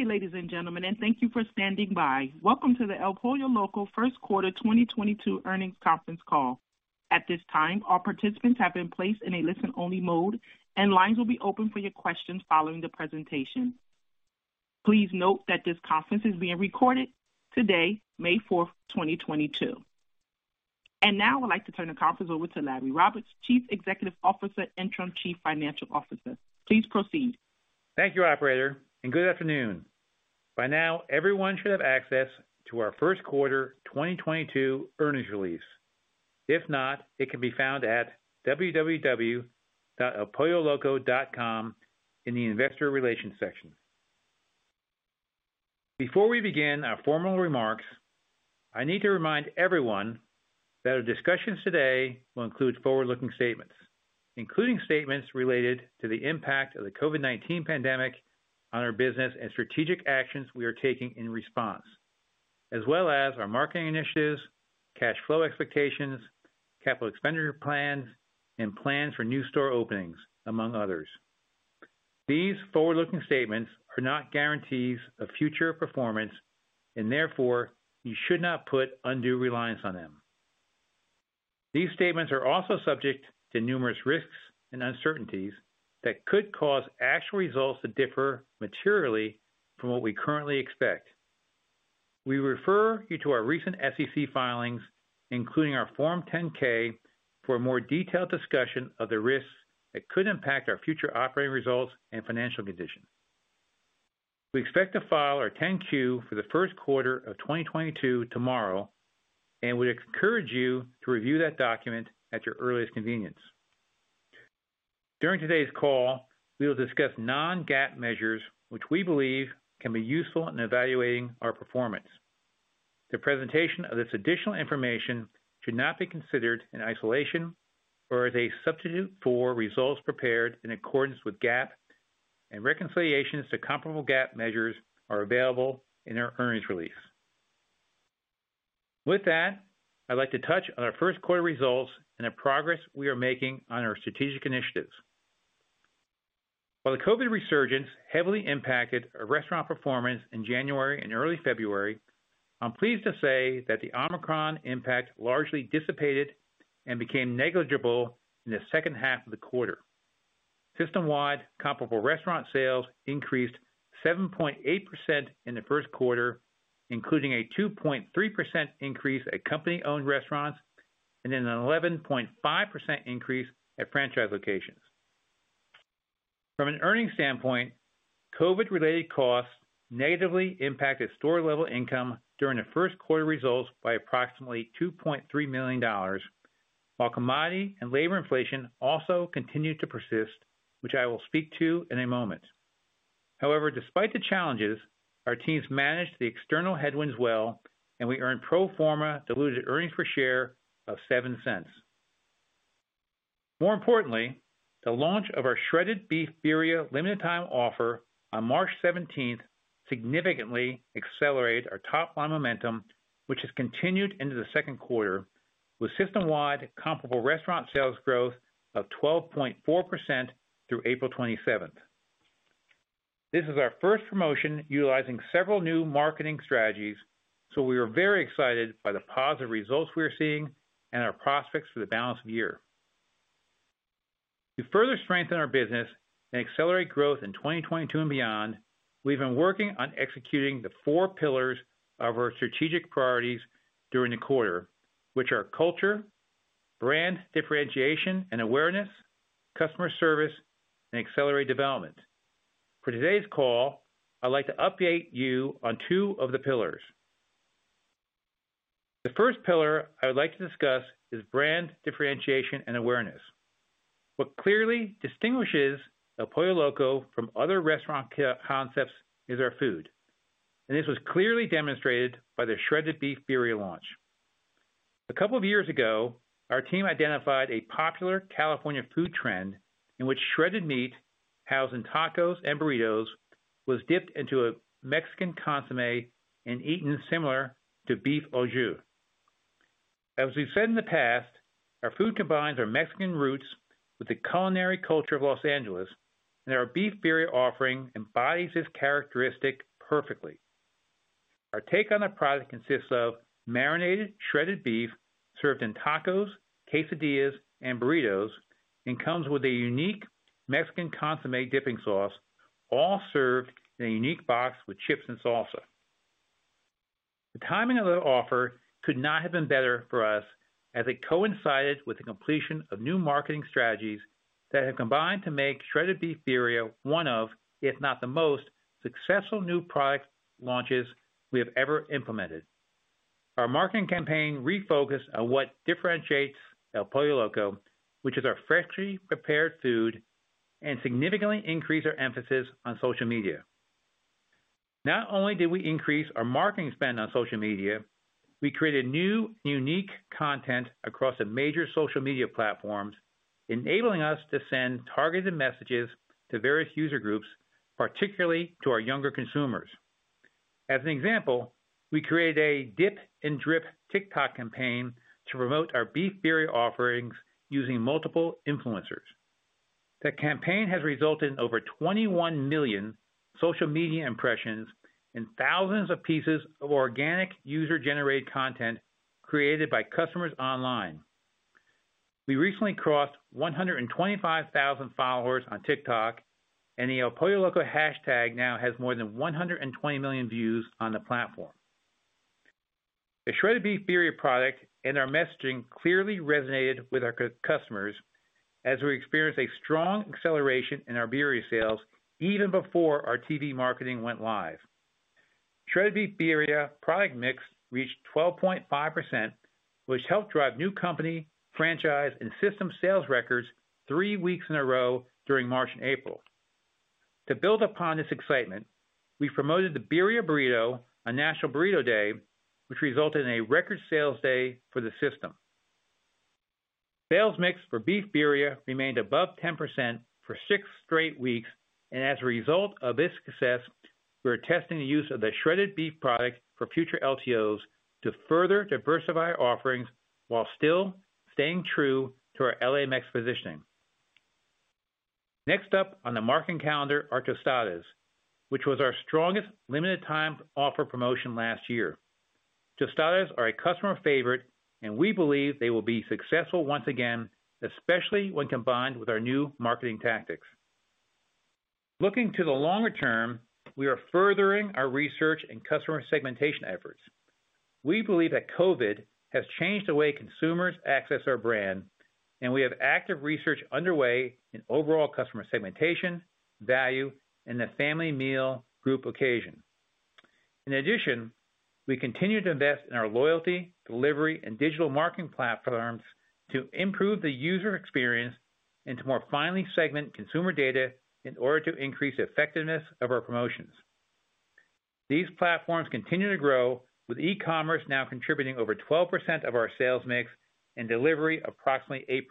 Good day, ladies and gentlemen, and thank you for standing by. Welcome to the El Pollo Loco first quarter 2022 earnings conference call. At this time, all participants have been placed in a listen only mode, and lines will be open for your questions following the presentation. Please note that this conference is being recorded today, May 4, 2022. Now I'd like to turn the conference over to Larry Roberts, Chief Executive Officer, Interim Chief Financial Officer. Please proceed. Thank you, operator, and good afternoon. By now, everyone should have access to our first quarter 2022 earnings release. If not, it can be found at www.elpolloloco.com in the investor relations section. Before we begin our formal remarks, I need to remind everyone that our discussions today will include forward-looking statements, including statements related to the impact of the COVID-19 pandemic on our business and strategic actions we are taking in response, as well as our marketing initiatives, cash flow expectations, capital expenditure plans, and plans for new store openings, among others. These forward-looking statements are not guarantees of future performance, and therefore, you should not put undue reliance on them. These statements are also subject to numerous risks and uncertainties that could cause actual results to differ materially from what we currently expect. We refer you to our recent SEC filings, including our Form 10-K, for a more detailed discussion of the risks that could impact our future operating results and financial condition. We expect to file our Form 10-Q for the first quarter of 2022 tomorrow, and we encourage you to review that document at your earliest convenience. During today's call, we will discuss non-GAAP measures which we believe can be useful in evaluating our performance. The presentation of this additional information should not be considered in isolation or as a substitute for results prepared in accordance with GAAP, and reconciliations to comparable GAAP measures are available in our earnings release. With that, I'd like to touch on our first quarter results and the progress we are making on our strategic initiatives. While the COVID resurgence heavily impacted our restaurant performance in January and early February, I'm pleased to say that the Omicron impact largely dissipated and became negligible in the second half of the quarter. System-wide comparable restaurant sales increased 7.8% in the first quarter, including a 2.3% increase at company-owned restaurants and an 11.5% increase at franchise locations. From an earnings standpoint, COVID related costs negatively impacted store level income during the first quarter results by approximately $2.3 million, while commodity and labor inflation also continued to persist, which I will speak to in a moment. However, despite the challenges, our teams managed the external headwinds well, and we earned pro forma diluted earnings per share of $0.07. More importantly, the launch of our Shredded Beef Birria limited time offer on March 17th significantly accelerated our top line momentum, which has continued into the second quarter with system-wide comparable restaurant sales growth of 12.4% through April 27th. This is our first promotion utilizing several new marketing strategies, so we are very excited by the positive results we are seeing and our prospects for the balance of the year. To further strengthen our business and accelerate growth in 2022 and beyond, we've been working on executing the four pillars of our strategic priorities during the quarter, which are culture, brand differentiation and awareness, customer service, and accelerated development. For today's call, I'd like to update you on two of the pillars. The first pillar I would like to discuss is brand differentiation and awareness. What clearly distinguishes El Pollo Loco from other restaurant concepts is our food, and this was clearly demonstrated by the Shredded Beef Birria launch. A couple of years ago, our team identified a popular California food trend in which shredded meat, housed in tacos and burritos, was dipped into a Mexican consommé and eaten similar to beef au jus. As we've said in the past, our food combines our Mexican roots with the culinary culture of Los Angeles, and our Beef Birria offering embodies this characteristic perfectly. Our take on the product consists of marinated shredded beef served in tacos, quesadillas, and burritos, and comes with a unique Mexican consommé dipping sauce, all served in a unique box with chips and salsa. The timing of the offer could not have been better for us as it coincided with the completion of new marketing strategies that have combined to make Shredded Beef Birria one of, if not the most, successful new product launches we have ever implemented. Our marketing campaign refocused on what differentiates El Pollo Loco, which is our freshly prepared food, and significantly increased our emphasis on social media. Not only did we increase our marketing spend on social media, we created new unique content across the major social media platforms, enabling us to send targeted messages to various user groups, particularly to our younger consumers. As an example, we created a dip and drip TikTok campaign to promote our Beef Birria offerings using multiple influencers. The campaign has resulted in over 21 million social media impressions and thousands of pieces of organic user-generated content created by customers online. We recently crossed 125,000 followers on TikTok, and the El Pollo Loco hashtag now has more than 120 million views on the platform. The Shredded Beef Birria product and our messaging clearly resonated with our customers as we experienced a strong acceleration in our birria sales even before our TV marketing went live. Shredded Beef Birria product mix reached 12.5%, which helped drive new company, franchise, and system sales records three weeks in a row during March and April. To build upon this excitement, we promoted the birria burrito on National Burrito Day, which resulted in a record sales day for the system. Sales mix for Shredded Beef Birria remained above 10% for six straight weeks, and as a result of this success, we're testing the use of the shredded beef product for future LTOs to further diversify our offerings while still staying true to our L.A. Mex positioning. Next up on the marketing calendar are Tostadas, which was our strongest limited time offer promotion last year. Tostadas are a customer favorite, and we believe they will be successful once again, especially when combined with our new marketing tactics. Looking to the longer term, we are furthering our research and customer segmentation efforts. We believe that COVID has changed the way consumers access our brand, and we have active research underway in overall customer segmentation, value, and the family meal group occasion. In addition, we continue to invest in our loyalty, delivery, and digital marketing platforms to improve the user experience and to more finely segment consumer data in order to increase the effectiveness of our promotions. These platforms continue to grow, with e-commerce now contributing over 12% of our sales mix and delivery approximately 8%.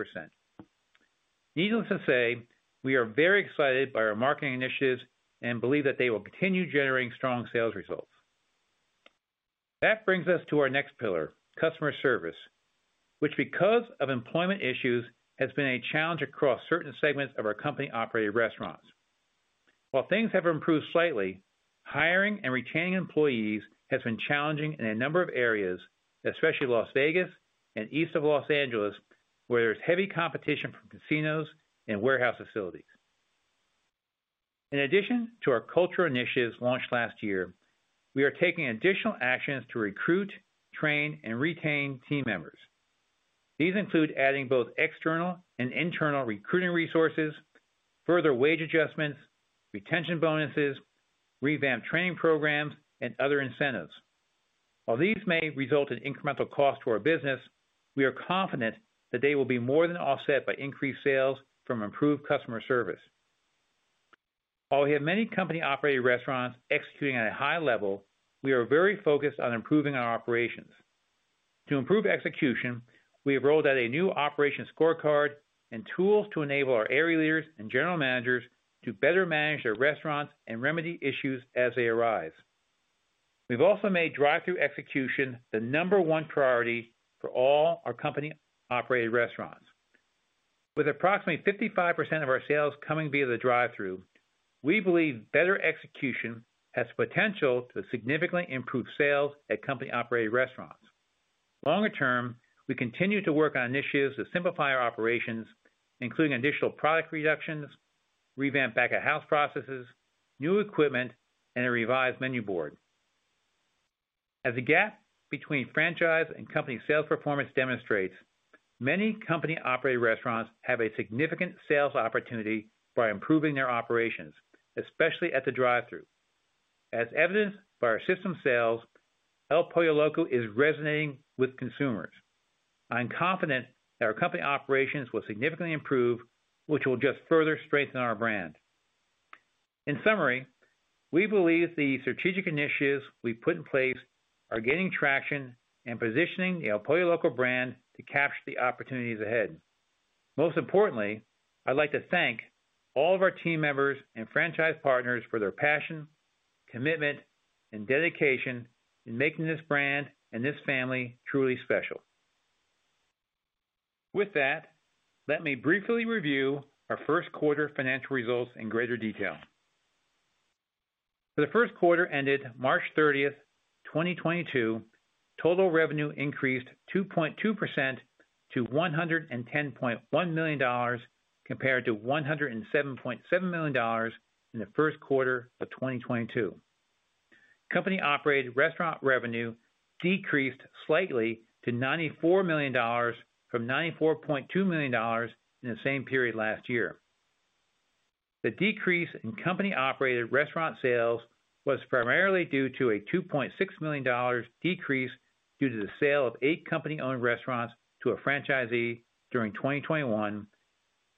Needless to say, we are very excited by our marketing initiatives and believe that they will continue generating strong sales results. That brings us to our next pillar, customer service, which, because of employment issues, has been a challenge across certain segments of our company-operated restaurants. While things have improved slightly, hiring and retaining employees has been challenging in a number of areas, especially Las Vegas and East of Los Angeles, where there's heavy competition from casinos and warehouse facilities. In addition to our cultural initiatives launched last year, we are taking additional actions to recruit, train, and retain team members. These include adding both external and internal recruiting resources, further wage adjustments, retention bonuses, revamped training programs, and other incentives. While these may result in incremental cost to our business, we are confident that they will be more than offset by increased sales from improved customer service. While we have many company-operated restaurants executing at a high level, we are very focused on improving our operations. To improve execution, we have rolled out a new operation scorecard and tools to enable our area leaders and general managers to better manage their restaurants and remedy issues as they arise. We've also made drive-through execution the number one priority for all our company-operated restaurants. With approximately 55% of our sales coming via the drive-through, we believe better execution has potential to significantly improve sales at company-operated restaurants. Longer term, we continue to work on initiatives to simplify our operations, including additional product reductions, revamped back-of-house processes, new equipment, and a revised menu board. As the gap between franchise and company sales performance demonstrates, many company-operated restaurants have a significant sales opportunity by improving their operations, especially at the drive-through. As evidenced by our system sales, El Pollo Loco is resonating with consumers. I am confident that our company operations will significantly improve, which will just further strengthen our brand. In summary, we believe the strategic initiatives we've put in place are gaining traction and positioning the El Pollo Loco brand to capture the opportunities ahead. Most importantly, I'd like to thank all of our team members and franchise partners for their passion, commitment, and dedication in making this brand and this family truly special. With that, let me briefly review our first quarter financial results in greater detail. For the first quarter ended March 30th, 2022, total revenue increased 2.2% to $110.1 million, compared to $107.7 million in the first quarter of 2022. Company-operated restaurant revenue decreased slightly to $94 million from $94.2 million in the same period last year. The decrease in company-operated restaurant sales was primarily due to a $2.6 million decrease due to the sale of 8 company-owned restaurants to a franchisee during 2021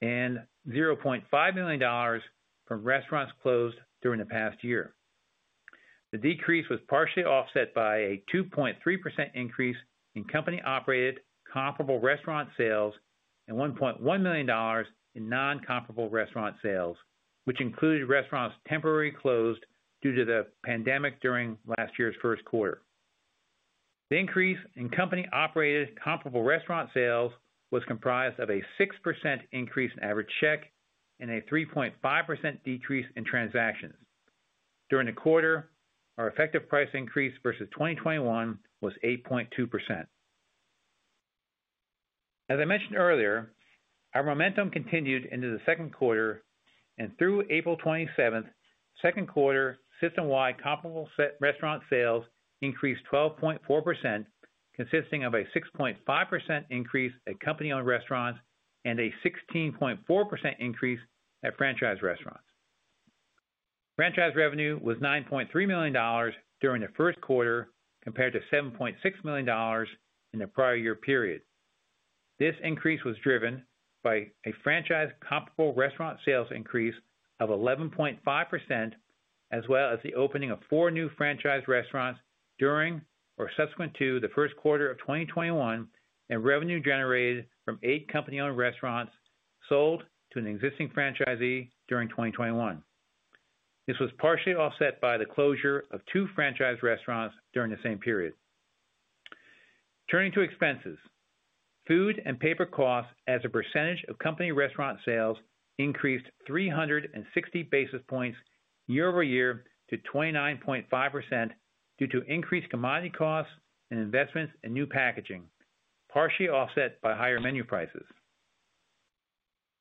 and $0.5 million from restaurants closed during the past year. The decrease was partially offset by a 2.3% increase in company-operated comparable restaurant sales and $1.1 million in non-comparable restaurant sales, which included restaurants temporarily closed due to the pandemic during last year's first quarter. The increase in company-operated comparable restaurant sales was comprised of a 6% increase in average check and a 3.5% decrease in transactions. During the quarter, our effective price increase versus 2021 was 8.2%. As I mentioned earlier, our momentum continued into the second quarter and through April 27th. Second quarter system-wide comparable restaurant sales increased 12.4%, consisting of a 6.5% increase at company-owned restaurants and a 16.4% increase at franchise restaurants. Franchise revenue was $9.3 million during the first quarter, compared to $7.6 million in the prior year period. This increase was driven by a franchise comparable restaurant sales increase of 11.5%, as well as the opening of four new franchise restaurants during or subsequent to the first quarter of 2021, and revenue generated from eight company-owned restaurants sold to an existing franchisee during 2021. This was partially offset by the closure of two franchise restaurants during the same period. Turning to expenses. Food and paper costs as a percentage of company restaurant sales increased 360 basis points year-over-year to 29.5% due to increased commodity costs and investments in new packaging, partially offset by higher menu prices.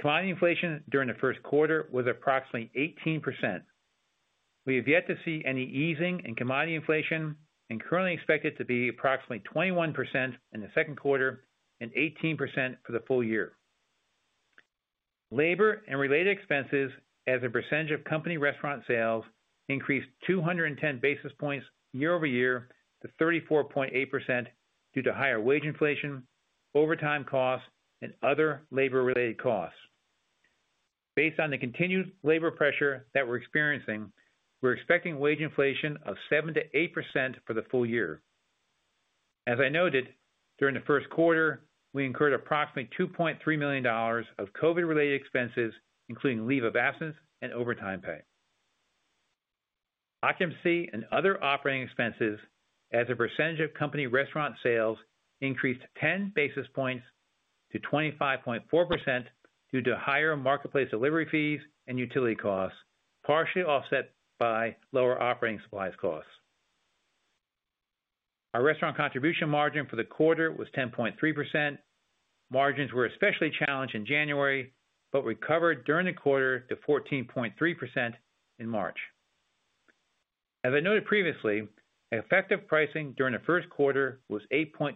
Commodity inflation during the first quarter was approximately 18%. We have yet to see any easing in commodity inflation and currently expect it to be approximately 21% in the second quarter and 18% for the full year. Labor and related expenses as a percentage of company restaurant sales increased 210 basis points year-over-year to 34.8% due to higher wage inflation, overtime costs, and other labor-related costs. Based on the continued labor pressure that we're experiencing, we're expecting wage inflation of 7%-8% for the full year. As I noted, during the first quarter, we incurred approximately $2.3 million of COVID-related expenses, including leave of absence and overtime pay. Occupancy and other operating expenses as a percentage of company restaurant sales increased 10 basis points to 25.4% due to higher marketplace delivery fees and utility costs, partially offset by lower operating supplies costs. Our restaurant contribution margin for the quarter was 10.3%. Margins were especially challenged in January, but recovered during the quarter to 14.3% in March. As I noted previously, effective pricing during the first quarter was 8.2%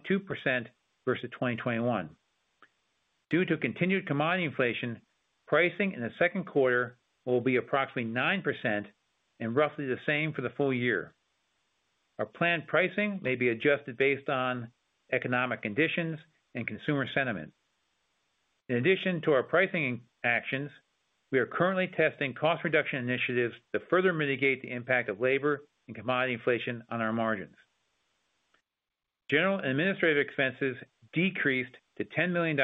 versus 2021. Due to continued commodity inflation, pricing in the second quarter will be approximately 9% and roughly the same for the full year. Our planned pricing may be adjusted based on economic conditions and consumer sentiment. In addition to our pricing actions, we are currently testing cost reduction initiatives to further mitigate the impact of labor and commodity inflation on our margins. General and administrative expenses decreased to $10 million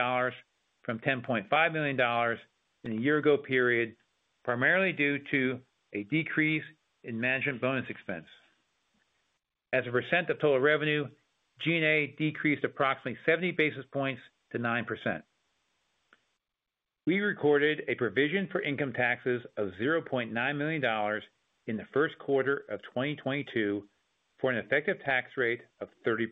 from $10.5 million in the year ago period, primarily due to a decrease in management bonus expense. As a percent of total revenue, G&A decreased approximately 70 basis points to 9%. We recorded a provision for income taxes of $0.9 million in the first quarter of 2022 for an effective tax rate of 30%.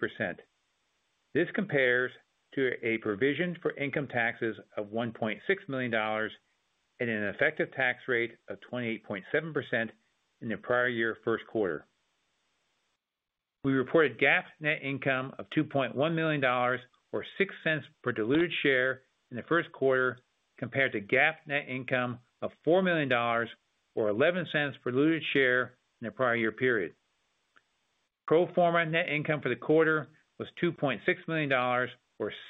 This compares to a provision for income taxes of $1.6 million and an effective tax rate of 28.7% in the prior year first quarter. We reported GAAP net income of $2.1 million or $0.06 per diluted share in the first quarter compared to GAAP net income of $4 million or $0.11 per diluted share in the prior year period. Pro forma net income for the quarter was $2.6 million or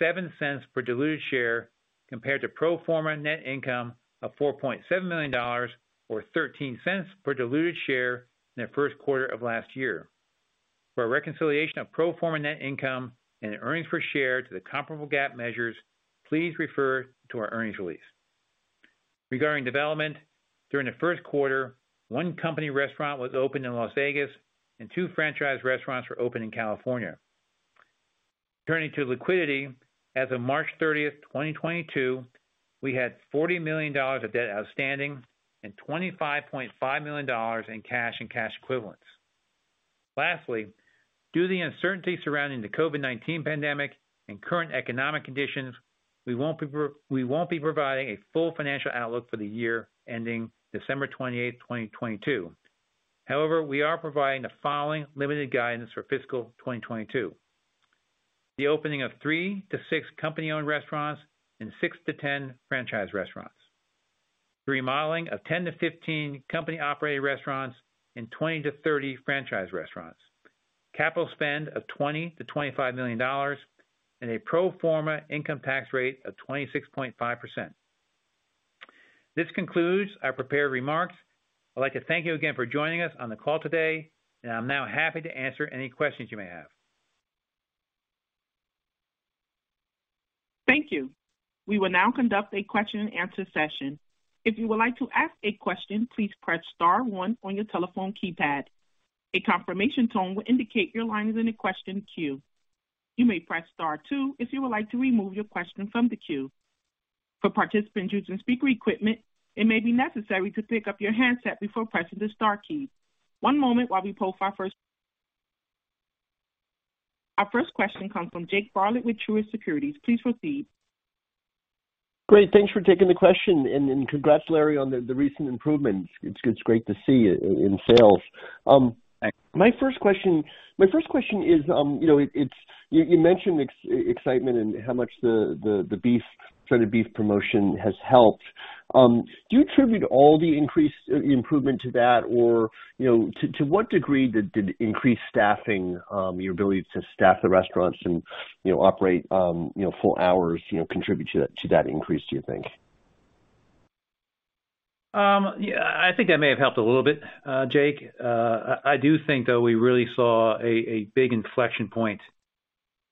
$0.07 per diluted share compared to pro forma net income of $4.7 million or $0.13 per diluted share in the first quarter of last year. For a reconciliation of pro forma net income and earnings per share to the comparable GAAP measures, please refer to our earnings release. Regarding development, during the first quarter, one company restaurant was opened in Las Vegas and two franchise restaurants were opened in California. Turning to liquidity, as of March 30, 2022, we had $40 million of debt outstanding and $25.5 million in cash and cash equivalents. Lastly, due to the uncertainty surrounding the COVID-19 pandemic and current economic conditions, we won't be providing a full financial outlook for the year ending December 28th, 2022. However, we are providing the following limited guidance for fiscal 2022. The opening of 3-6 company-owned restaurants and 6-10 franchise restaurants. Remodeling of 10-15 company-operated restaurants and 20-30 franchise restaurants. Capital spend of $20 million-$25 million and a pro forma income tax rate of 26.5%. This concludes our prepared remarks. I'd like to thank you again for joining us on the call today, and I'm now happy to answer any questions you may have. Thank you. We will now conduct a question and answer session. If you would like to ask a question, please press star one on your telephone keypad. A confirmation tone will indicate your line is in the question queue. You may press star two if you would like to remove your question from the queue. For participants using speaker equipment, it may be necessary to pick up your handset before pressing the star key. One moment while we pull for our first question. Our first question comes from Jake Bartlett with Truist Securities. Please proceed. Great. Thanks for taking the question and congrats, Larry, on the recent improvements. It's great to see in sales. My first question is, you know, you mentioned excitement and how much the shredded beef promotion has helped. Do you attribute all the increased improvement to that? Or, you know, to what degree did increased staffing, your ability to staff the restaurants and, you know, operate, you know, full hours, you know, contribute to that increase, do you think? Yeah, I think that may have helped a little bit, Jake. I do think though we really saw a big inflection point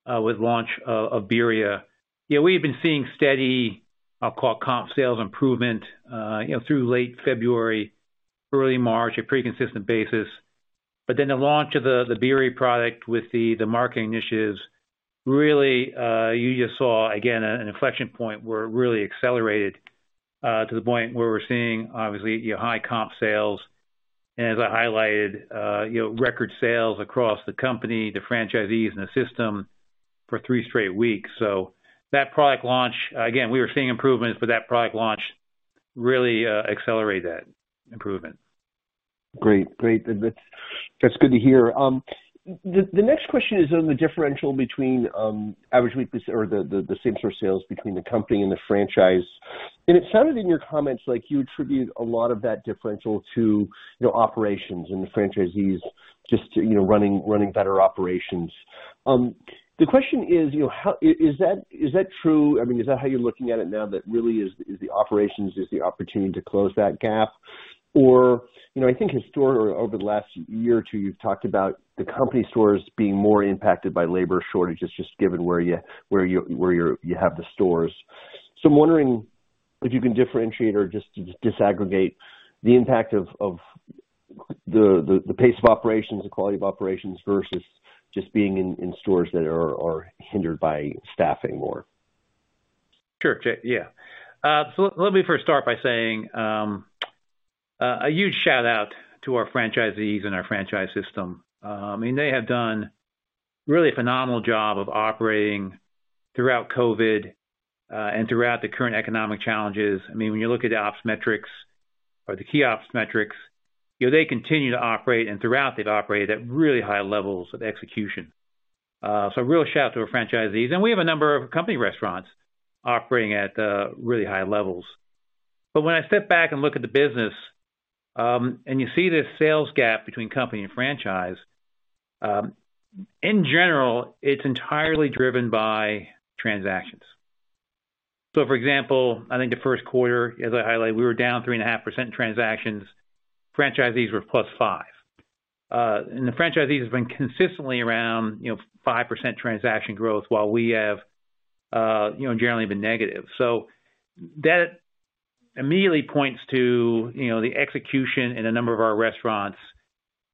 with launch of Birria. You know, we've been seeing steady, I'll call comp sales improvement, you know, through late February, early March, a pretty consistent basis. The launch of the Birria product with the marketing initiatives, really, you just saw again an inflection point where it really accelerated to the point where we're seeing obviously our high comp sales and as I highlighted, you know, record sales across the company, the franchisees and the system for three straight weeks. That product launch, again, we were seeing improvements, but that product launch really accelerated that improvement. Great. That's good to hear. The next question is on the differential between average week or the same store sales between the company and the franchise. It sounded in your comments like you attribute a lot of that differential to, you know, operations and the franchisees just, you know, running better operations. The question is, you know, how? Is that true? I mean, is that how you're looking at it now that really is the operations the opportunity to close that gap? Or, you know, I think historically over the last year or two, you've talked about the company stores being more impacted by labor shortages just given where you have the stores. I'm wondering if you can differentiate or just disaggregate the impact of the pace of operations, the quality of operations versus just being in stores that are hindered by staffing more. Sure, Jake. Yeah. Let me first start by saying, a huge shout out to our franchisees and our franchise system. I mean, they have done really a phenomenal job of operating throughout COVID, and throughout the current economic challenges. I mean, when you look at the ops metrics or the key ops metrics, you know, they continue to operate, and throughout they've operated at really high levels of execution. A real shout out to our franchisees. We have a number of company restaurants operating at really high levels. When I step back and look at the business, and you see this sales gap between company and franchise, in general, it is entirely driven by transactions. For example, I think the first quarter, as I highlighted, we were down 3.5% in transactions. Franchisees were +5%. The franchisees has been consistently around, you know, 5% transaction growth while we have, you know, generally been negative. That immediately points to, you know, the execution in a number of our restaurants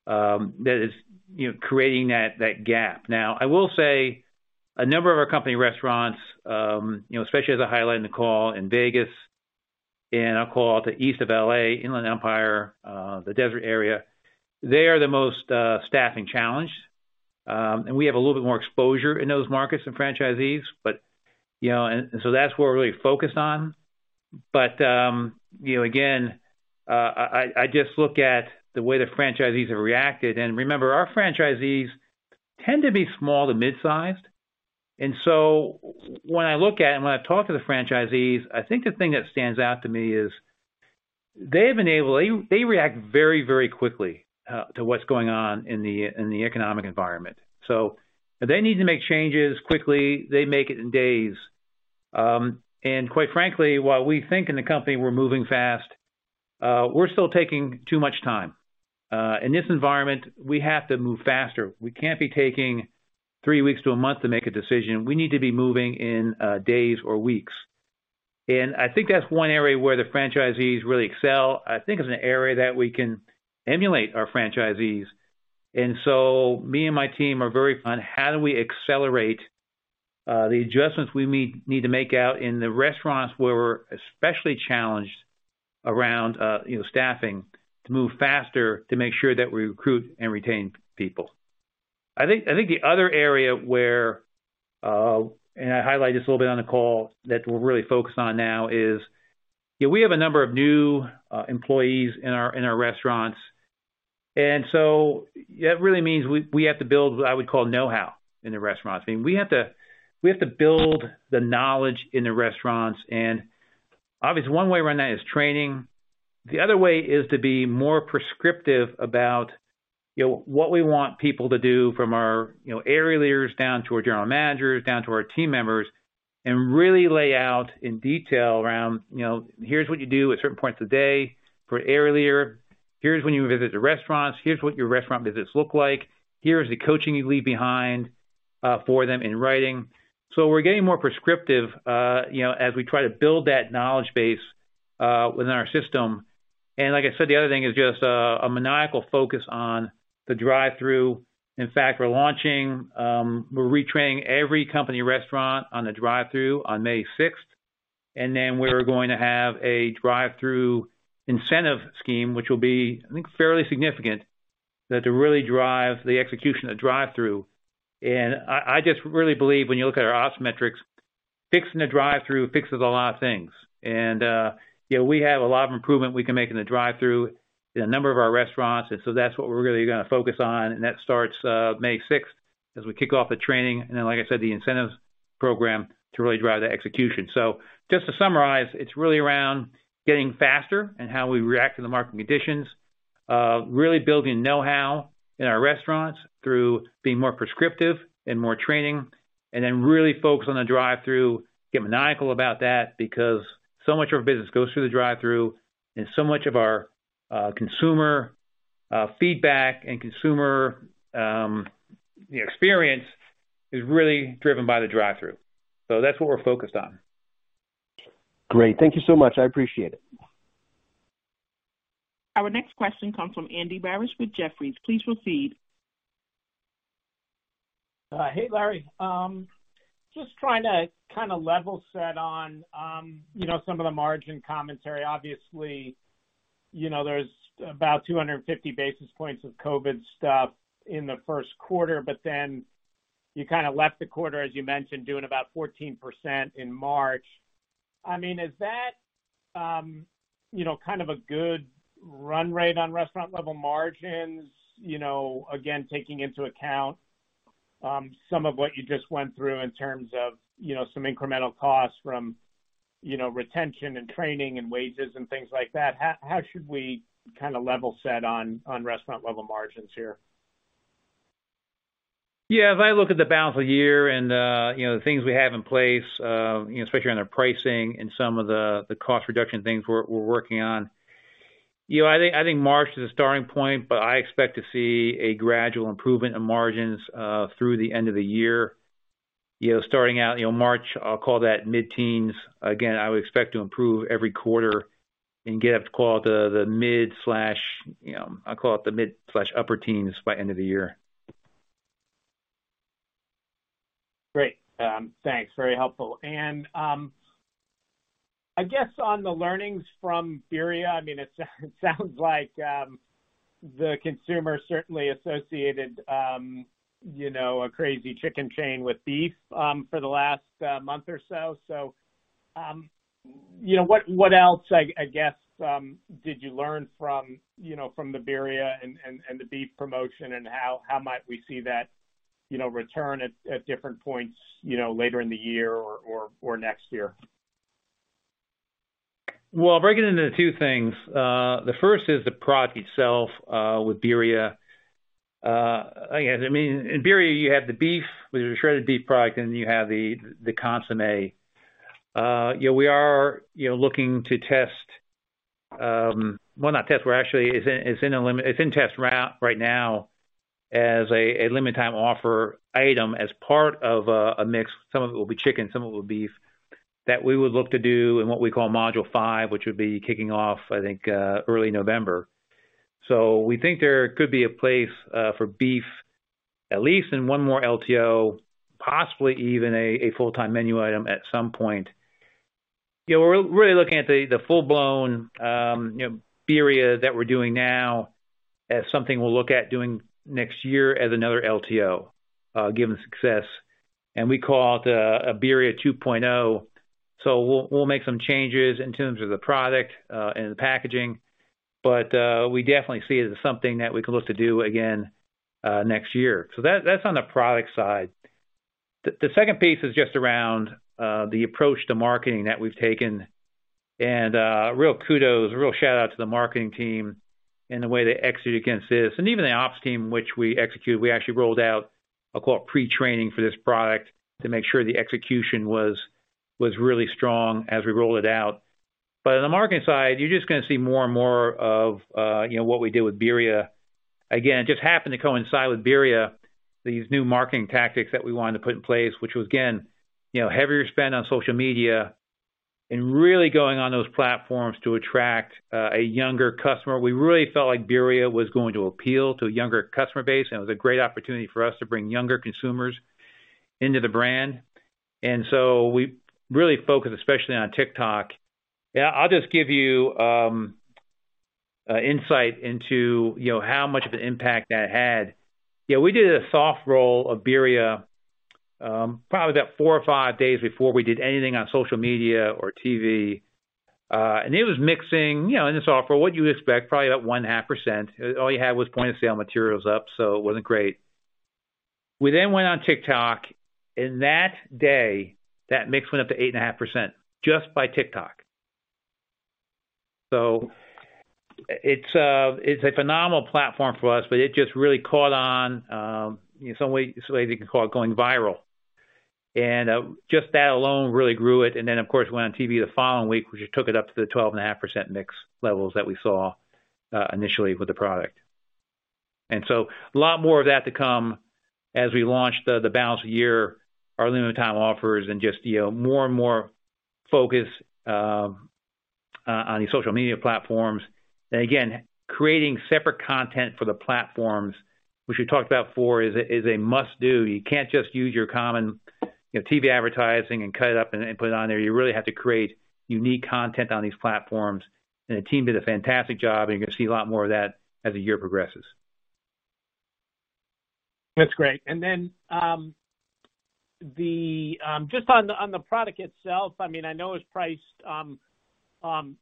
that is, you know, creating that gap. Now, I will say a number of our company restaurants, you know, especially as I highlighted in the call in Vegas and I'll call out the east of L.A., Inland Empire, the desert area, they are the most staffing challenged. We have a little bit more exposure in those markets than franchisees, but, you know, and so that's where we're really focused on. You know, again, I just look at the way the franchisees have reacted. Remember, our franchisees tend to be small to mid-sized. When I look at it, and when I talk to the franchisees, I think the thing that stands out to me is they react very, very quickly to what's going on in the economic environment. If they need to make changes quickly, they make it in days. Quite frankly, while we think in the company we're moving fast, we're still taking too much time. In this environment, we have to move faster. We can't be taking three weeks to a month to make a decision. We need to be moving in days or weeks. I think that's one area where the franchisees really excel. I think it's an area that we can emulate our franchisees. Me and my team are very on how do we accelerate the adjustments we need to make out in the restaurants where we're especially challenged around, you know, staffing to move faster to make sure that we recruit and retain people. I think the other area where and I highlighted this a little bit on the call that we're really focused on now is, you know, we have a number of new employees in our restaurants. That really means we have to build what I would call know-how in the restaurants. I mean, we have to build the knowledge in the restaurants. Obviously one way to run that is training. The other way is to be more prescriptive about. You know, what we want people to do from our, you know, area leaders down to our general managers, down to our team members, and really lay out in detail around, you know, here's what you do at certain points of the day for an area leader. Here's when you visit the restaurants. Here's what your restaurant visits look like. Here's the coaching you leave behind, for them in writing. So we're getting more prescriptive, you know, as we try to build that knowledge base, within our system. Like I said, the other thing is just a maniacal focus on the drive-thru. In fact, we're launching, we're retraining every company restaurant on the drive-thru on May 6th. Then we're going to have a drive-thru incentive scheme, which will be, I think, fairly significant, that to really drive the execution of the drive-thru. I just really believe when you look at our ops metrics, fixing the drive-thru fixes a lot of things. Yeah, we have a lot of improvement we can make in the drive-thru in a number of our restaurants. That's what we're really gonna focus on. That starts May 6th, as we kick off the training and then, like I said, the incentives program to really drive that execution. Just to summarize, it's really around getting faster and how we react to the market conditions. Really building knowhow in our restaurants through being more prescriptive and more training. Really focus on the drive-thru, get maniacal about that because so much of our business goes through the drive-thru, and so much of our consumer feedback and consumer you know experience is really driven by the drive-thru. That's what we're focused on. Great. Thank you so much. I appreciate it. Our next question comes from Andy Barish with Jefferies. Please proceed. Hey, Larry. Just trying to kind of level set on, you know, some of the margin commentary. Obviously, you know, there's about 250 basis points of COVID stuff in the first quarter, but then you kind of left the quarter, as you mentioned, doing about 14% in March. I mean, is that, you know, kind of a good run rate on restaurant level margins? You know, again, taking into account, some of what you just went through in terms of, you know, some incremental costs from, you know, retention and training and wages and things like that. How should we kind of level set on restaurant level margins here? Yeah. If I look at the balance of the year and, you know, the things we have in place, you know, especially around the pricing and some of the cost reduction things we're working on. You know, I think March is a starting point, but I expect to see a gradual improvement in margins through the end of the year. You know, starting out, you know, March, I'll call that mid-teens%. Again, I would expect to improve every quarter and get up to call it the mid slash, you know, I'll call it the mid/upper teens% by end of the year. Great. Thanks. Very helpful. I guess on the learnings from Birria, I mean, it sounds like the consumer certainly associated you know, a crazy chicken chain with beef for the last month or so. You know, what else, I guess, did you learn from you know, from the Birria and the beef promotion, and how might we see that you know, return at different points you know, later in the year or next year? Well, I'll break it into two things. The first is the product itself, with Birria. I guess, I mean, in Birria, you have the beef, which is a shredded beef product, and then you have the consommé. Yeah, we are, you know, looking to test. We're actually—it's in a limited test run right now as a limited time offer item as part of a mix. Some of it will be chicken, some of it will be beef, that we would look to do in what we call module five, which would be kicking off, I think, early November. So we think there could be a place for beef, at least in one more LTO, possibly even a full-time menu item at some point. You know, we're really looking at the full-blown Birria that we're doing now as something we'll look at doing next year as another LTO, given the success. We call a Birria 2.0. We'll make some changes in terms of the product and the packaging, but we definitely see it as something that we can look to do again next year. That's on the product side. The second piece is just around the approach to marketing that we've taken. Real kudos, a real shout-out to the marketing team and the way they executed against this. Even the ops team, which we executed. We actually rolled out, I'll call it pre-training for this product to make sure the execution was really strong as we rolled it out. On the marketing side, you're just gonna see more and more of, you know, what we did with Birria. Again, it just happened to coincide with Birria, these new marketing tactics that we wanted to put in place, which was again, you know, heavier spend on social media and really going on those platforms to attract a younger customer. We really felt like Birria was going to appeal to a younger customer base, and it was a great opportunity for us to bring younger consumers into the brand. We really focused, especially on TikTok. Yeah, I'll just give you an insight into, you know, how much of an impact that had. Yeah, we did a soft rollout of Birria, probably about four or five days before we did anything on social media or TV. It was mixing, you know, in the software, what you would expect, probably about 1.5%. All you had was point-of-sale materials up, so it wasn't great. We then went on TikTok, and that day, that mix went up to 8.5% just by TikTok. It's a phenomenal platform for us, but it just really caught on in some way you could call it going viral. Just that alone really grew it. Then, of course, we went on TV the following week, which it took it up to the 12.5% mix levels that we saw initially with the product. A lot more of that to come as we launch the balance of the year, our limited time offers and just, you know, more and more focus on these social media platforms. Again, creating separate content for the platforms, which we talked about before, is a must do. You can't just use your common, you know, TV advertising and cut it up and put it on there. You really have to create unique content on these social media platforms. The team did a fantastic job, and you're gonna see a lot more of that as the year progresses. That's great. Then, just on the product itself, I mean, I know it's priced,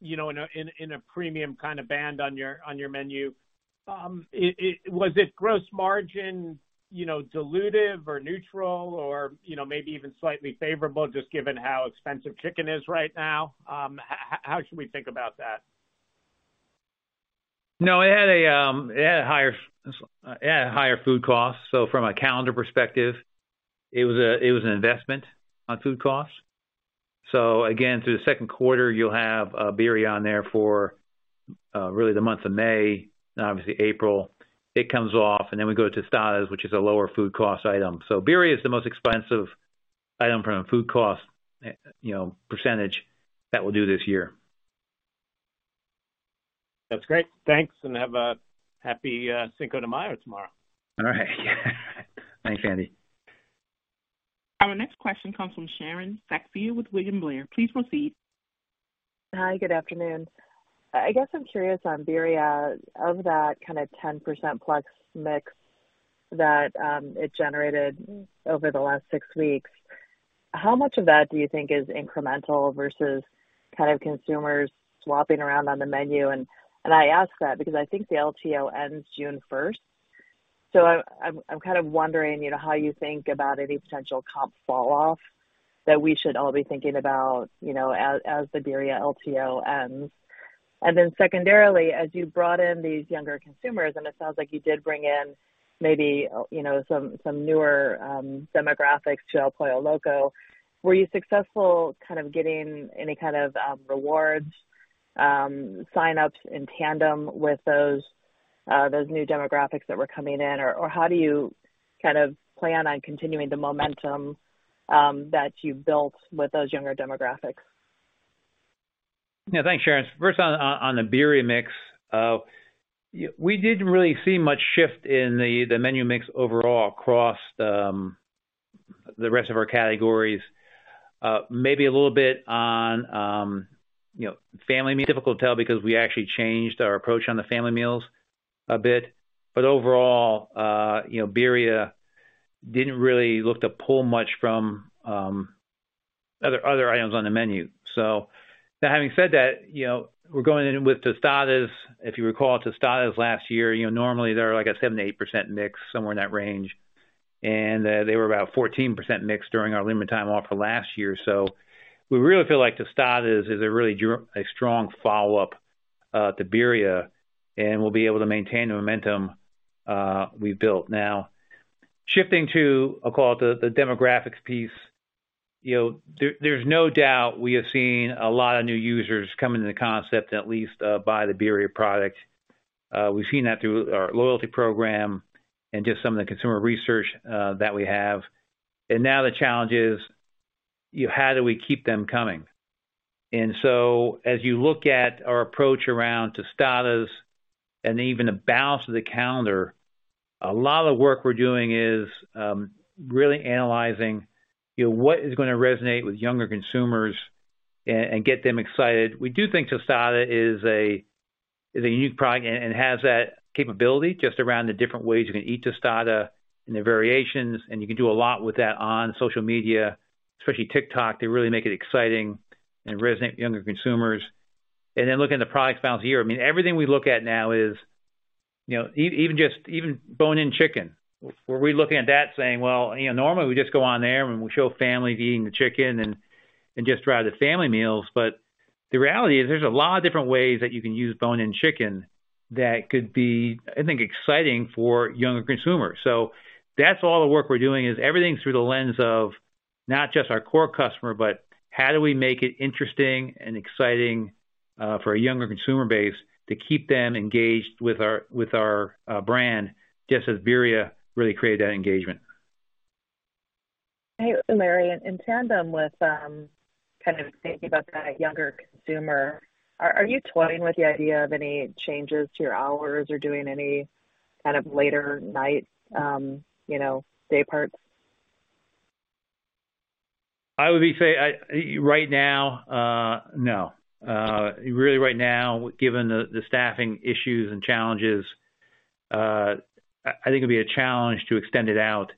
you know, in a premium kind of band on your menu. Was it gross margin, you know, dilutive or neutral or, you know, maybe even slightly favorable just given how expensive chicken is right now? How should we think about that? No, it had a higher food cost. From a calendar perspective, it was an investment on food costs. Again, through the second quarter, you'll have Birria on there for really the month of May. Obviously April it comes off. Then we go to Tostadas, which is a lower food cost item. Birria is the most expensive item from a food cost, you know, percentage that we'll do this year. That's great. Thanks, and have a happy Cinco de Mayo tomorrow. All right. Thanks, Andy. Our next question comes from Sharon Zackfia with William Blair. Please proceed. Hi, good afternoon. I guess I'm curious on Birria. Of that kind of 10% plus mix that it generated over the last six weeks, how much of that do you think is incremental versus kind of consumers swapping around on the menu? I ask that because I think the LTO ends June first. I'm kind of wondering, you know, how you think about any potential comp fall off that we should all be thinking about, you know, as the Birria LTO ends. Then secondarily, as you brought in these younger consumers, and it sounds like you did bring in maybe, you know, some newer demographics to El Pollo Loco, were you successful kind of getting any kind of rewards sign-ups in tandem with those new demographics that were coming in? How do you kind of plan on continuing the momentum, that you've built with those younger demographics? Yeah. Thanks, Sharon. First on the Birria mix. We didn't really see much shift in the menu mix overall across the rest of our categories. Maybe a little bit on you know, family meal. Difficult to tell because we actually changed our approach on the family meals a bit. Overall, you know, Birria didn't really look to pull much from other items on the menu. Now having said that, you know, we're going in with Tostadas. If you recall, Tostadas last year, you know, normally they're like a 7%-8% mix, somewhere in that range. They were about 14% mix during our limited time offer last year. We really feel like Tostadas is a really strong follow-up to Birria, and we'll be able to maintain the momentum we've built. Now, shifting to, I'll call it the demographics piece. You know, there's no doubt we have seen a lot of new users come into the concept, at least by the Birria product. We've seen that through our loyalty program and just some of the consumer research that we have. Now the challenge is, you know, how do we keep them coming? As you look at our approach around Tostadas and even the balance of the calendar, a lot of the work we're doing is really analyzing, you know, what is gonna resonate with younger consumers and get them excited. We do think Tostada is a unique product and has that capability just around the different ways you can eat Tostada and the variations, and you can do a lot with that on social media, especially TikTok. They really make it exciting and resonate with younger consumers. Then looking at the product balance of the year, I mean, everything we look at now is, you know, even just bone-in chicken, we're looking at that saying, well, you know, normally we just go on there and we show families eating the chicken and just drive the family meals. The reality is there's a lot of different ways that you can use bone-in chicken that could be, I think, exciting for younger consumers. That's all the work we're doing is everything through the lens of not just our core customer, but how do we make it interesting and exciting, for a younger consumer base to keep them engaged with our brand, just as Birria really created that engagement. Hey, Larry. In tandem with kind of thinking about that younger consumer, are you toying with the idea of any changes to your hours or doing any kind of later night, you know, day parts? Right now, no. Really right now, given the staffing issues and challenges, I think it'd be a challenge to extend it out.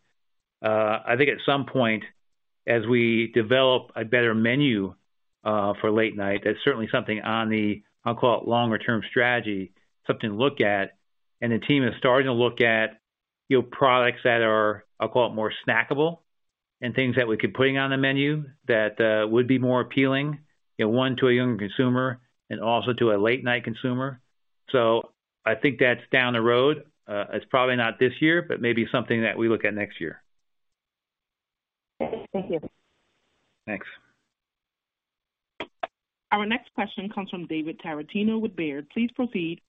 I think at some point as we develop a better menu for late night, that's certainly something on the, I'll call it longer-term strategy, something to look at. The team is starting to look at, you know, products that are, I'll call it more snackable. Things that we could put on the menu that would be more appealing, you know, to a younger consumer and also to a late night consumer. I think that's down the road. It's probably not this year, but maybe something that we look at next year. Okay. Thank you. Thanks. Our next question comes from David Tarantino with Baird. Please proceed.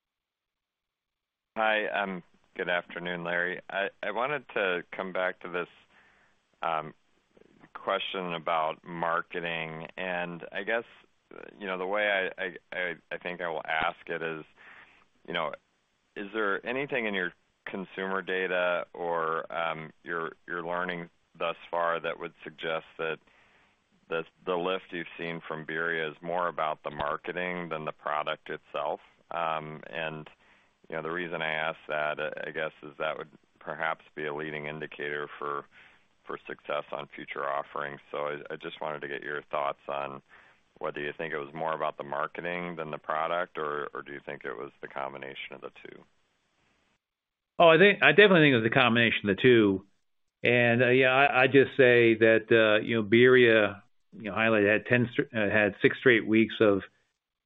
Hi. Good afternoon, Larry. I wanted to come back to this question about marketing. I guess, you know, the way I think I will ask it is, you know, is there anything in your consumer data or your learning thus far that would suggest that the lift you've seen from Birria is more about the marketing than the product itself? You know, the reason I ask that, I guess, is that would perhaps be a leading indicator for success on future offerings. I just wanted to get your thoughts on whether you think it was more about the marketing than the product, or do you think it was the combination of the two? Oh, I definitely think it was a combination of the two. Yeah, I just say that, you know, Birria, you know, had six straight weeks of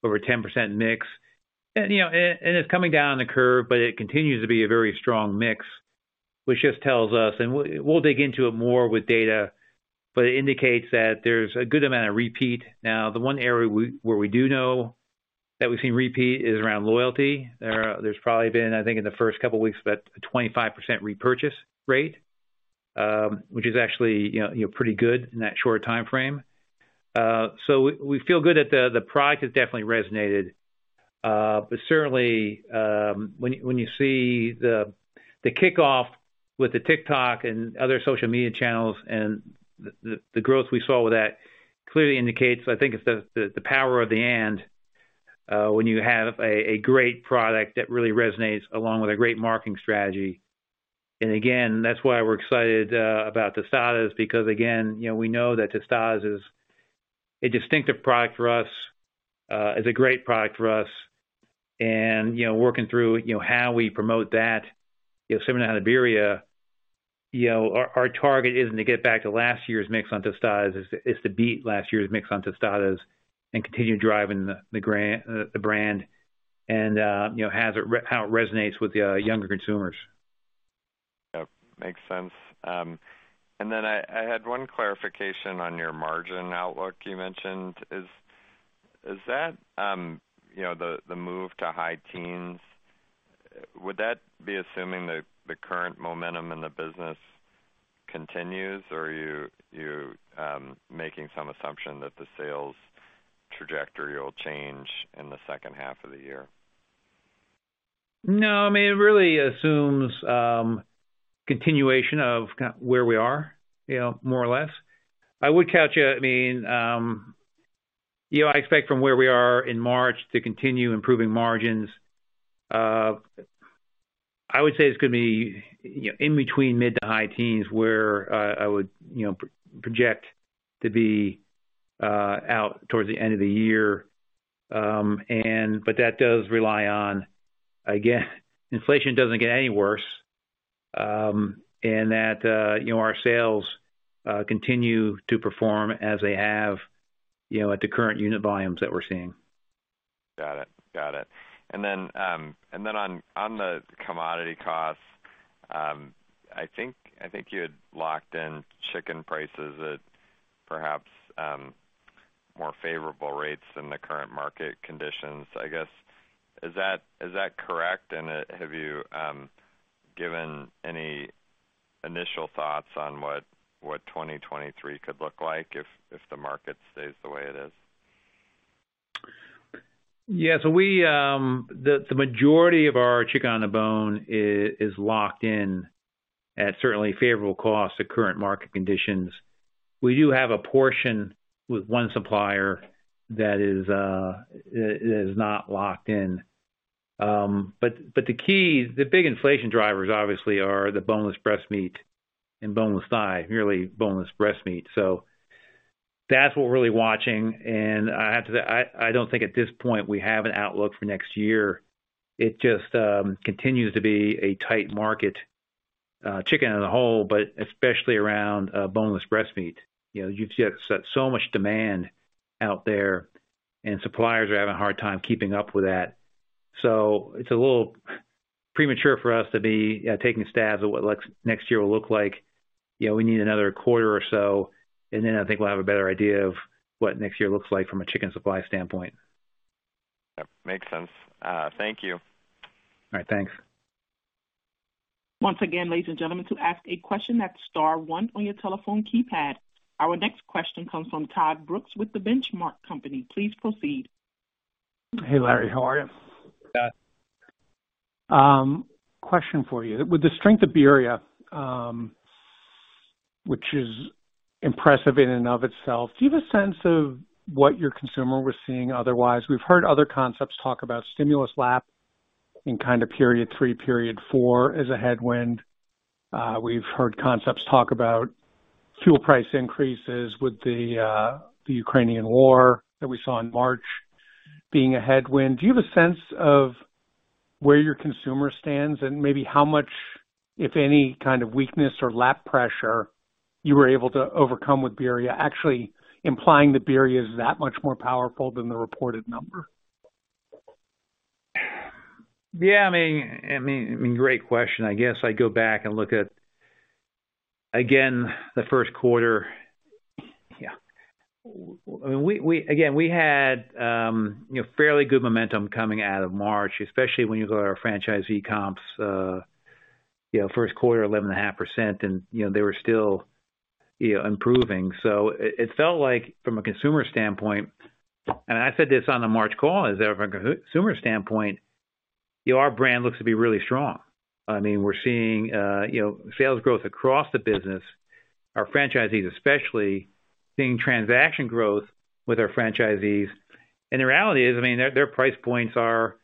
over 10% mix. You know, and it's coming down the curve, but it continues to be a very strong mix, which just tells us, and we'll dig into it more with data, but it indicates that there's a good amount of repeat. Now, the one area where we do know that we've seen repeat is around loyalty. There's probably been, I think, in the first couple of weeks, about a 25% repurchase rate, which is actually, you know, pretty good in that short timeframe. We feel good that the product has definitely resonated. Certainly, when you see the kickoff with the TikTok and other social media channels and the growth we saw with that clearly indicates, I think it's the power of the "and," when you have a great product that really resonates, along with a great marketing strategy. Again, that's why we're excited about Tostadas, because again, you know, we know that Tostadas is a distinctive product for us, is a great product for us. You know, working through, you know, how we promote that, you know, similar to how the Birria, you know, our target isn't to get back to last year's mix on Tostadas. It is to beat last year's mix on Tostadas and continue driving the brand and, you know, how it resonates with the younger consumers. Yep, makes sense. I had one clarification on your margin outlook you mentioned. Is that, you know, the move to high teens, would that be assuming the current momentum in the business continues, or are you making some assumption that the sales trajectory will change in the second half of the year? No. I mean, it really assumes continuation of where we are, you know, more or less. I would caution. I mean, I expect from where we are in March to continue improving margins. I would say it's gonna be, you know, in between mid- to high teens where I would, you know, project to be out towards the end of the year. That does rely on, again, inflation doesn't get any worse, and that, you know, our sales continue to perform as they have, you know, at the current unit volumes that we're seeing. Got it. Then on the commodity costs, I think you had locked in chicken prices at perhaps more favorable rates than the current market conditions. I guess, is that correct? Have you given any initial thoughts on what 2023 could look like if the market stays the way it is? Yeah. The majority of our chicken on the bone is locked in at certainly favorable cost to current market conditions. We do have a portion with one supplier that is not locked in. But the key, the big inflation drivers obviously are the boneless breast meat and boneless thigh, mainly boneless breast meat. That's what we're really watching. I have to say, I don't think at this point we have an outlook for next year. It just continues to be a tight market, chicken as a whole, but especially around boneless breast meat. You know, you've just got so much demand out there, and suppliers are having a hard time keeping up with that. It's a little premature for us to be taking stabs at what next year will look like. You know, we need another quarter or so, and then I think we'll have a better idea of what next year looks like from a chicken supply standpoint. Yep, makes sense. Thank you. All right. Thanks. Once again, ladies and gentlemen, to ask a question, that's star one on your telephone keypad. Our next question comes from Todd Brooks with the Benchmark Company. Please proceed. Hey, Larry. How are you? Good. Question for you. With the strength of Birria, which is impressive in and of itself, do you have a sense of what your consumer was seeing otherwise? We've heard other concepts talk about stimulus lapping in kind of period three, period four as a headwind. We've heard concepts talk about fuel price increases with the Ukrainian war that we saw in March being a headwind. Do you have a sense of where your consumer stands and maybe how much, if any, kind of weakness or lapping pressure you were able to overcome with Birria, actually implying that Birria is that much more powerful than the reported number. Yeah, I mean, great question. I guess I go back and look at, again, the first quarter. Yeah, I mean, we had, you know, fairly good momentum coming out of March, especially when you look at our franchisee comps, you know, first quarter 11.5% and, you know, they were still, you know, improving. It felt like from a consumer standpoint, and I said this on the March call, is that from a consumer standpoint, you know, our brand looks to be really strong. I mean, we're seeing, you know, sales growth across the business, our franchisees especially seeing transaction growth with our franchisees. The reality is, I mean, their price points are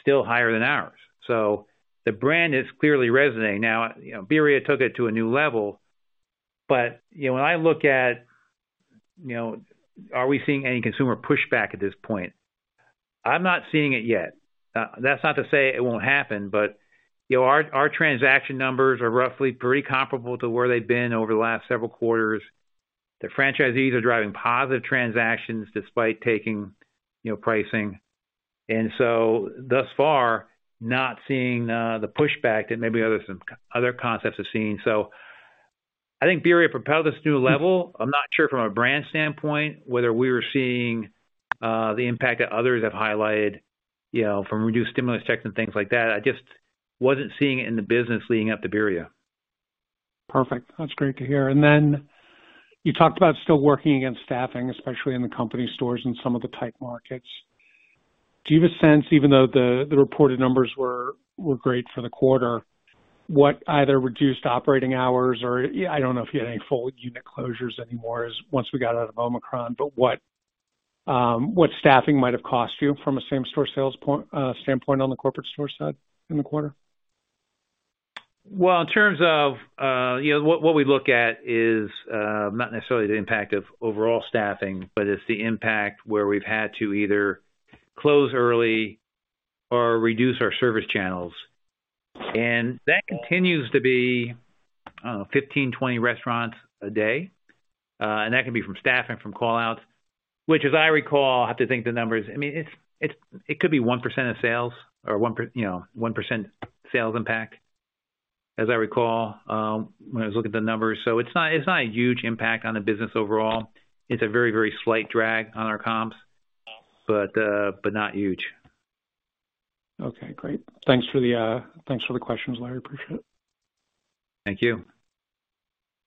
still higher than ours. The brand is clearly resonating. Now, you know, Birria took it to a new level, but, you know, when I look at, you know, are we seeing any consumer pushback at this point? I'm not seeing it yet. That's not to say it won't happen, but, you know, our transaction numbers are roughly pretty comparable to where they've been over the last several quarters. The franchisees are driving positive transactions despite taking, you know, pricing. Thus far, not seeing the pushback that maybe other concepts are seeing. I think Birria propelled us to a new level. I'm not sure from a brand standpoint whether we were seeing the impact that others have highlighted, you know, from reduced stimulus checks and things like that. I just wasn't seeing it in the business leading up to Birria. Perfect. That's great to hear. You talked about still working against staffing, especially in the company stores in some of the tight markets. Do you have a sense, even though the reported numbers were great for the quarter, what either reduced operating hours or, yeah, I don't know if you had any full unit closures anymore as once we got out of Omicron, but what staffing might have cost you from a same-store sales point, standpoint on the corporate store side in the quarter? Well, in terms of what we look at is not necessarily the impact of overall staffing, but it's the impact where we've had to either close early or reduce our service channels. That continues to be, I don't know, 15, 20 restaurants a day. And that can be from staffing, from call-outs, which as I recall, I have to think the numbers. I mean, it's it could be 1% of sales. You know, 1% sales impact, as I recall, when I was looking at the numbers. It's not a huge impact on the business overall. It's a very, very slight drag on our comps, but not huge. Okay, great. Thanks for the questions, Larry. Appreciate it. Thank you.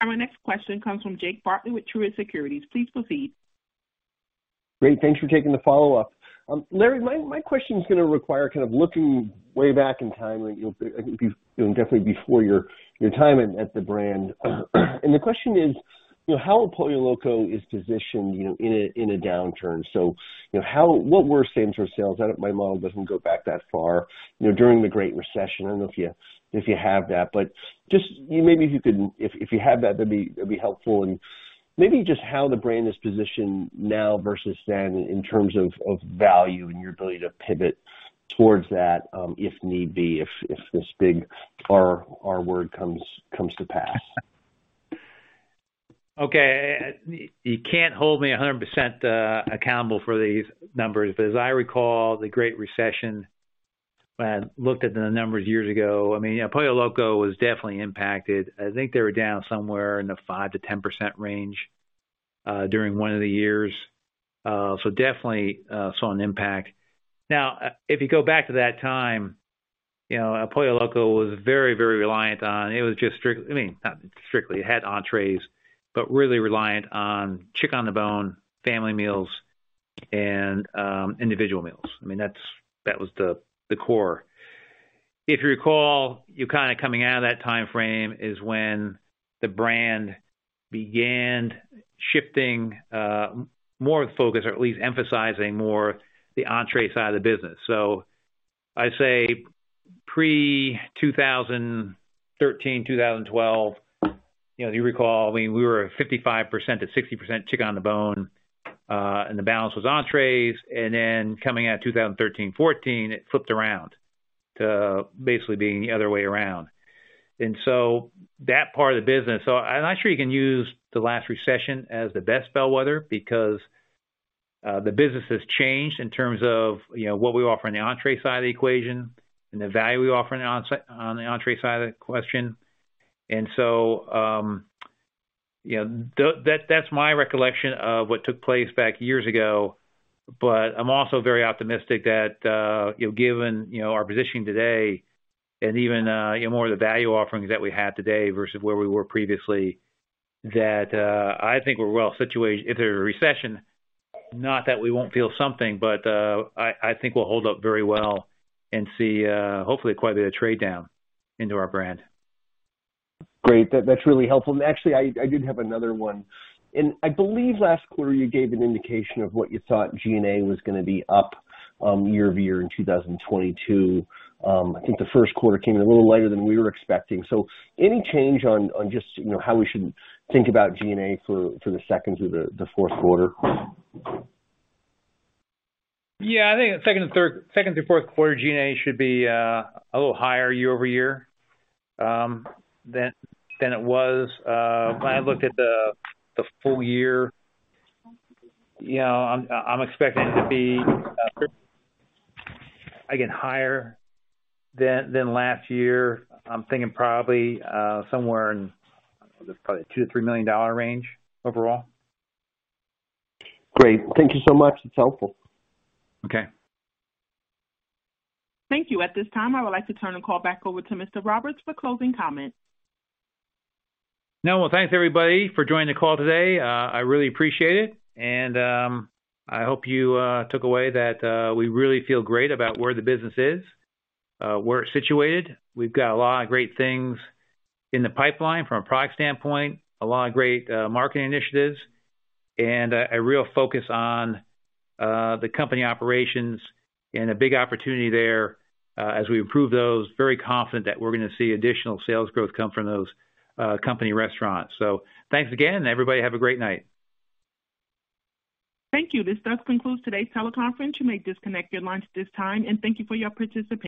My next question comes from Jake Bartlett with Truist Securities. Please proceed. Great. Thanks for taking the follow-up. Larry, my question is gonna require kind of looking way back in time, you know, it'd be, you know, definitely before your time at the brand. The question is: you know, how El Pollo Loco is positioned, you know, in a downturn. You know, what were same-store sales? My model doesn't go back that far, you know, during the Great Recession. I don't know if you have that, but just maybe if you could, if you have that'd be helpful. Maybe just how the brand is positioned now versus then in terms of value and your ability to pivot towards that, if need be, if this big R word comes to pass. Okay. You can't hold me 100% accountable for these numbers, but as I recall, the Great Recession, when I looked at the numbers years ago, I mean, El Pollo Loco was definitely impacted. I think they were down somewhere in the 5%-10% range during one of the years. So definitely saw an impact. Now, if you go back to that time, you know, El Pollo Loco was very, very reliant on it. It was just strictly, I mean, not strictly, it had entrees, but really reliant on chicken on the bone, family meals and individual meals. I mean, that was the core. If you recall, you kind of coming out of that timeframe is when the brand began shifting more focus or at least emphasizing more the entree side of the business. I say pre-2013, 2012, you know, if you recall, we were at 55%-60% chicken on the bone, and the balance was entrees. Then coming out of 2013, 2014, it flipped around to basically being the other way around. That part of the business. I'm not sure you can use the last recession as the best bellwether because the business has changed in terms of, you know, what we offer on the entree side of the equation and the value we offer on the entree side of the question. That's my recollection of what took place back years ago, but I'm also very optimistic that you know, given you know, our positioning today and even you know, more of the value offerings that we have today versus where we were previously, that I think we're well situated. If there's a recession, not that we won't feel something, but I think we'll hold up very well and see hopefully quite a bit of trade down into our brand. Great. That's really helpful. Actually, I did have another one. I believe last quarter you gave an indication of what you thought G&A was gonna be up year-over-year in 2022. I think the first quarter came in a little lighter than we were expecting. Any change on just you know how we should think about G&A for the second through the fourth quarter? Yeah. I think second through fourth quarter G&A should be a little higher year-over-year than it was. When I look at the full year, you know, I'm expecting it to be again higher than last year. I'm thinking probably somewhere in, I don't know, just probably $2 million-$3 million range overall. Great. Thank you so much. It's helpful. Okay. Thank you. At this time, I would like to turn the call back over to Mr. Roberts for closing comments. Now, well, thanks, everybody, for joining the call today. I really appreciate it, and I hope you took away that we really feel great about where the business is, where it's situated. We've got a lot of great things in the pipeline from a product standpoint, a lot of great marketing initiatives, and a real focus on the company operations and a big opportunity there as we improve those. Very confident that we're gonna see additional sales growth come from those company restaurants. Thanks again, everybody. Have a great night. Thank you. This does conclude today's teleconference. You may disconnect your lines at this time, and thank you for your participation.